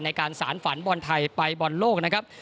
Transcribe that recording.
ในการสารฝันบอลไทยไปบอลโลกนะครับ